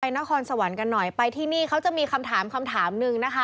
นครสวรรค์กันหน่อยไปที่นี่เขาจะมีคำถามคำถามหนึ่งนะคะ